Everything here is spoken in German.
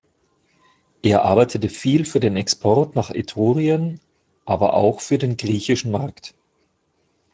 Er arbeitete viel für den Export nach Etrurien, aber auch für den griechischen Markt.